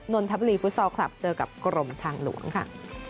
นนทบุรีฟุตซอลคลับเจอกับกรมทางหลวงค่ะ